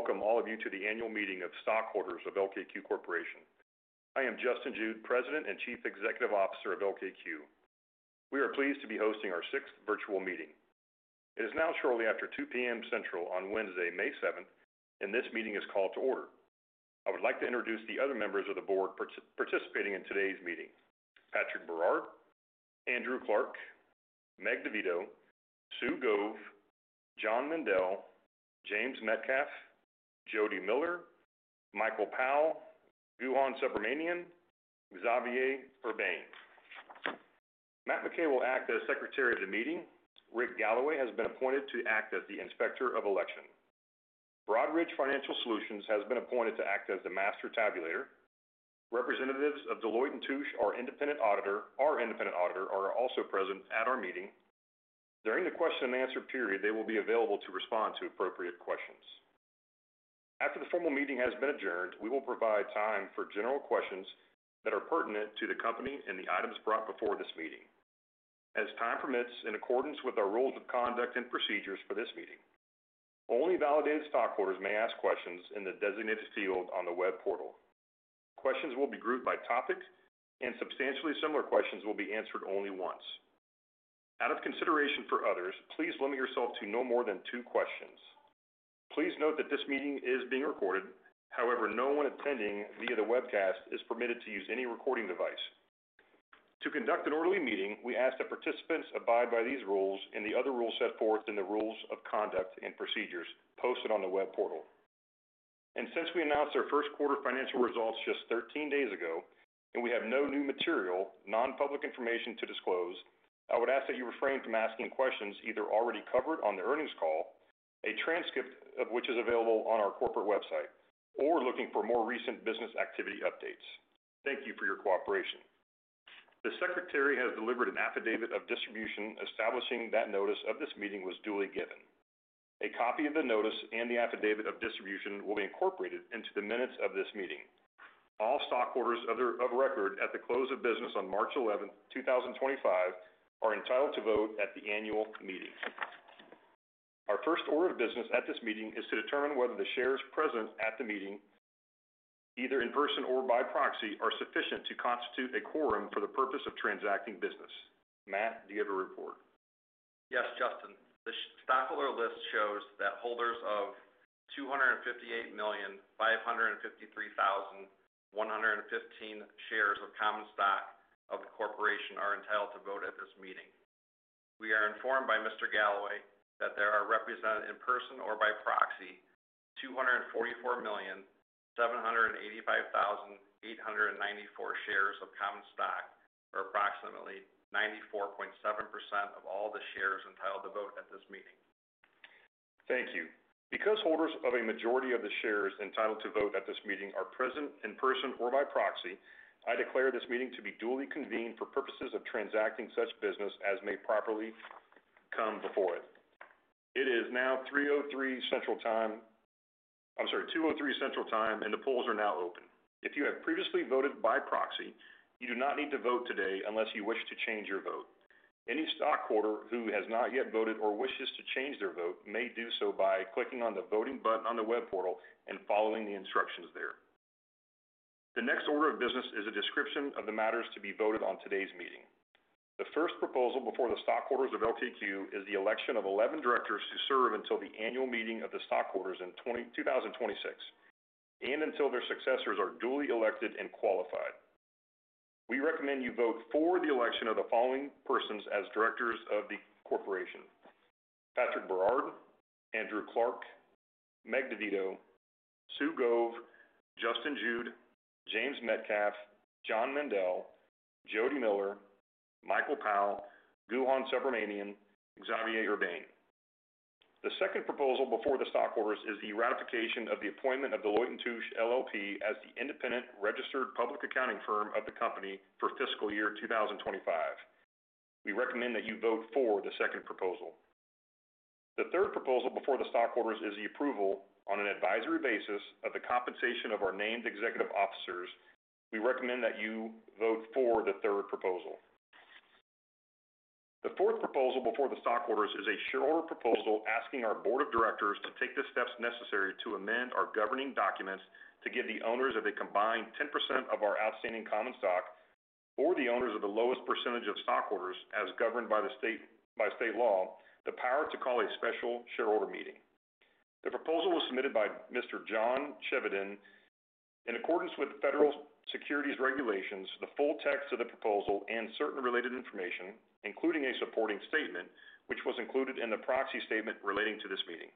I want to welcome all of you to the annual meeting of stockholders of LKQ Corporation. I am Justin Jude, President and Chief Executive Officer of LKQ. We are pleased to be hosting our sixth virtual meeting. It is now shortly after 2:00 P.M. Central on Wednesday, May 7th, and this meeting is called to order. I would like to introduce the other members of the board participating in today's meeting: Patrick Barard, Andrew Clarke, Meg DiVito, Sue Gove, John Mandel, James Metcalf, Jody Miller, Michael Powell, Guhan Subramanian, Xavier Urbain. Matt McKay will act as Secretary of the Meeting. Rick Galloway has been appointed to act as the Inspector of Election. Broadridge Financial Solutions has been appointed to act as the Master Tabulator. Representatives of Deloitte & Touche are independent auditor are also present at our meeting. During the Q&A period, they will be available to respond to appropriate questions. After the formal meeting has been adjourned, we will provide time for general questions that are pertinent to the company and the items brought before this meeting. As time permits, in accordance with our rules of conduct and procedures for this meeting, only validated stockholders may ask questions in the designated field on the web portal. Questions will be grouped by topic, and substantially similar questions will be answered only once. Out of consideration for others, please limit yourself to no more than two questions. Please note that this meeting is being recorded. However, no one attending via the webcast is permitted to use any recording device. To conduct an orderly meeting, we ask that participants abide by these rules and the other rules set forth in the rules of conduct and procedures posted on the web portal. Since we announced our first quarter financial results just 13 days ago, and we have no new material, non-public information to disclose, I would ask that you refrain from asking questions either already covered on the earnings call, a transcript of which is available on our corporate website, or looking for more recent business activity updates. Thank you for your cooperation. The Secretary has delivered an affidavit of distribution establishing that notice of this meeting was duly given. A copy of the notice and the affidavit of distribution will be incorporated into the minutes of this meeting. All stockholders of record at the close of business on March 11th, 2025, are entitled to vote at the annual meeting. Our first order of business at this meeting is to determine whether the shares present at the meeting, either in person or by proxy, are sufficient to constitute a quorum for the purpose of transacting business. Matt, do you have a report? Yes, Justin. The stockholder list shows that holders of 258,553,115 shares of common stock of the corporation are entitled to vote at this meeting. We are informed by Mr. Galloway that there are represented in person or by proxy 244,785,894 shares of common stock, or approximately 94.7% of all the shares entitled to vote at this meeting. Thank you. Because holders of a majority of the shares entitled to vote at this meeting are present in person or by proxy, I declare this meeting to be duly convened for purposes of transacting such business as may properly come before it. It is now 2:03 P.M. Central Time. I'm sorry, 2:03 P.M. Central Time, and the polls are now open. If you have previously voted by proxy, you do not need to vote today unless you wish to change your vote. Any stockholder who has not yet voted or wishes to change their vote may do so by clicking on the voting button on the web portal and following the instructions there. The next order of business is a description of the matters to be voted on today's meeting. The first proposal before the stockholders of LKQ is the election of 11 directors to serve until the annual meeting of the stockholders in 2026, and until their successors are duly elected and qualified. We recommend you vote for the election of the following persons as directors of the corporation: Patrick Barard, Andrew Clarke, Meg DiVito, Sue Gove, Justin Jude, James Metcalf, John Mandel, Jody Miller, Michael Powell, Guhan Subramanian, Xavier Urbain. The second proposal before the stockholders is the ratification of the appointment of Deloitte & Touche LLP as the independent registered public accounting firm of the company for fiscal year 2025. We recommend that you vote for the second proposal. The third proposal before the stockholders is the approval on an advisory basis of the compensation of our named executive officers. We recommend that you vote for the third proposal. The fourth proposal before the stockholders is a shareholder proposal asking our board of directors to take the steps necessary to amend our governing documents to give the owners of a combined 10% of our outstanding common stock, or the owners of the lowest percentage of stockholders as governed by state law, the power to call a special shareholder meeting. The proposal was submitted by Mr. John Chevedden. In accordance with federal securities regulations, the full text of the proposal and certain related information, including a supporting statement, was included in the proxy statement relating to this meeting.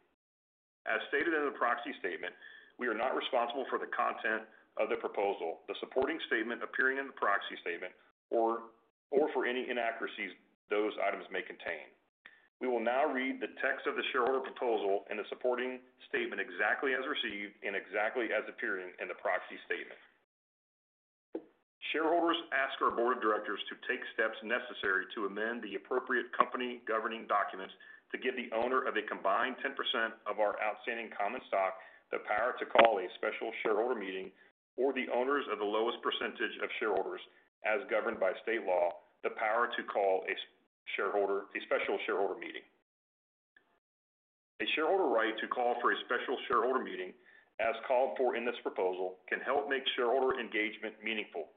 As stated in the proxy statement, we are not responsible for the content of the proposal, the supporting statement appearing in the proxy statement, or for any inaccuracies those items may contain. We will now read the text of the shareholder proposal and the supporting statement exactly as received and exactly as appearing in the proxy statement. Shareholders ask our board of directors to take steps necessary to amend the appropriate company governing documents to give the owner of a combined 10% of our outstanding common stock the power to call a special shareholder meeting, or the owners of the lowest percentage of shareholders as governed by state law, the power to call a special shareholder meeting. A shareholder right to call for a special shareholder meeting, as called for in this proposal, can help make shareholder engagement meaningful.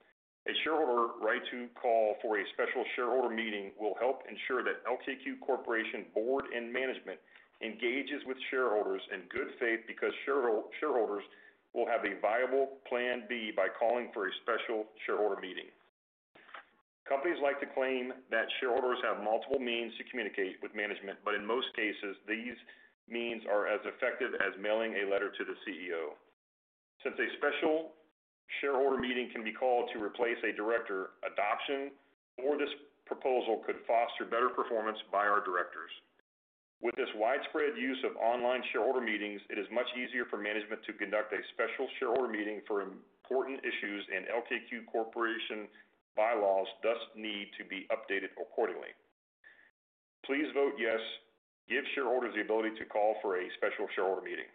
A shareholder right to call for a special shareholder meeting will help ensure that LKQ Corporation board and management engages with shareholders in good faith because shareholders will have a viable plan B by calling for a special shareholder meeting. Companies like to claim that shareholders have multiple means to communicate with management, but in most cases, these means are as effective as mailing a letter to the CEO. Since a special shareholder meeting can be called to replace a director, adoption for this proposal could foster better performance by our directors. With this widespread use of online shareholder meetings, it is much easier for management to conduct a special shareholder meeting for important issues, and LKQ Corporation bylaws thus need to be updated accordingly. Please vote yes to give shareholders the ability to call for a special shareholder meeting.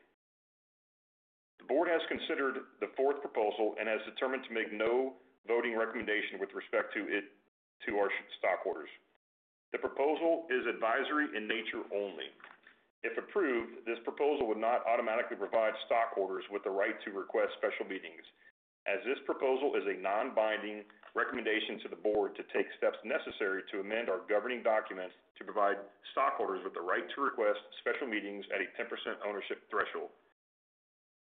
The board has considered the fourth proposal and has determined to make no voting recommendation with respect to our stockholders. The proposal is advisory in nature only. If approved, this proposal would not automatically provide stockholders with the right to request special meetings, as this proposal is a non-binding recommendation to the board to take steps necessary to amend our governing documents to provide stockholders with the right to request special meetings at a 10% ownership threshold.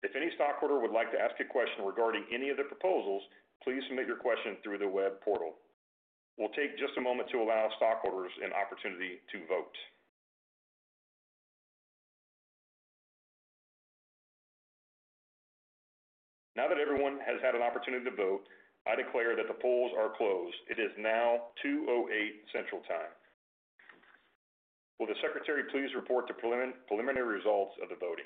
If any stockholder would like to ask a question regarding any of the proposals, please submit your question through the web portal. We'll take just a moment to allow stockholders an opportunity to vote. Now that everyone has had an opportunity to vote, I declare that the polls are closed. It is now 2:08 P.M. Central Time. Will the Secretary please report the preliminary results of the voting?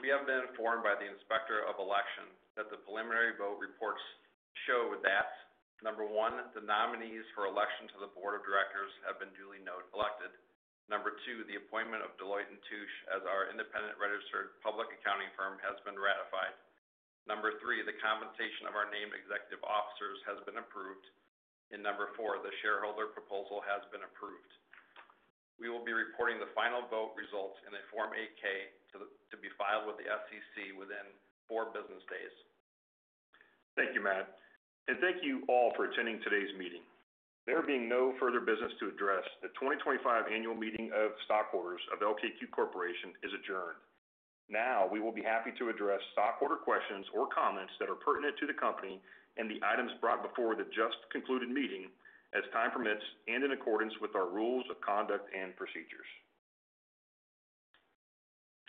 We have been informed by the Inspector of Election that the preliminary vote reports show that, number one, the nominees for election to the board of directors have been duly elected. Number two, the appointment of Deloitte & Touche as our independent registered public accounting firm has been ratified. Number three, the compensation of our named executive officers has been approved. Number four, the shareholder proposal has been approved. We will be reporting the final vote results in a Form 8-K to be filed with the SEC within four business days. Thank you, Matt. Thank you all for attending today's meeting. There being no further business to address, the 2025 annual meeting of stockholders of LKQ Corporation is adjourned. Now we will be happy to address stockholder questions or comments that are pertinent to the company and the items brought before the just-concluded meeting as time permits and in accordance with our rules of conduct and procedures.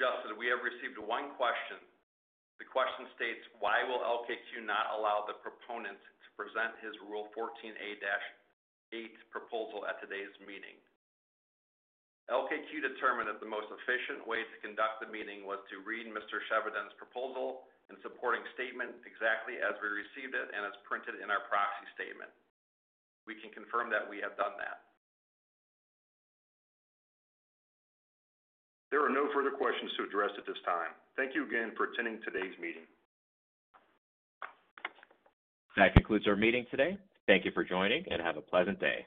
Justin, we have received one question. The question states, "Why will LKQ not allow the proponent to present his Rule 14A-8 proposal at today's meeting?" LKQ determined that the most efficient way to conduct the meeting was to read Mr. Chevedden's proposal and supporting statement exactly as we received it and as printed in our proxy statement. We can confirm that we have done that. There are no further questions to address at this time. Thank you again for attending today's meeting. That concludes our meeting today. Thank you for joining and have a pleasant day.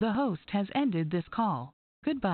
The host has ended this call. Good.